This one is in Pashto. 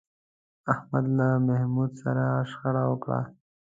احمد له محمود سره شخړه وکړه.